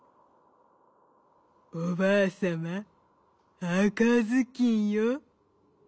「おばあさまあかずきんよ」。